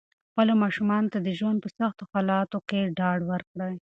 خپلو ماشومانو ته د ژوند په سختو حالاتو کې ډاډ ورکړئ.